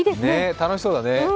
楽しそうだね。